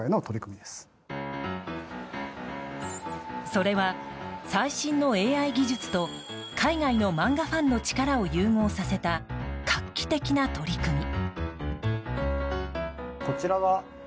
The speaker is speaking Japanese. それは最新のＡＩ技術と海外の漫画ファンの力を融合させた画期的な取り組み。